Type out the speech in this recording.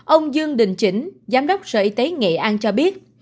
ông dương đình chỉnh giám đốc sở y tế nghệ an cho biết